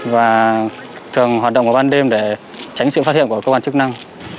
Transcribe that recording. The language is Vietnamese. và thường hoạt động vào ban đêm để tránh sự phát hiện của cơ quan chức năng